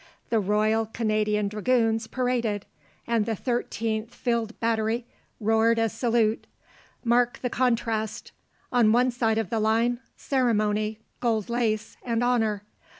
The Royal Canadian Dragoons paraded, and the Thirteenth field battery roared a salute. Mark the contrast. On one side of the line, ceremony, gold lace and honor.